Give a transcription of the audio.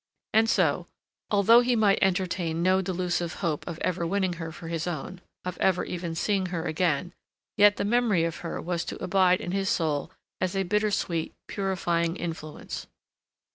And so, although he might entertain no delusive hope of ever winning her for his own, of ever even seeing her again, yet the memory of her was to abide in his soul as a bitter sweet, purifying influence.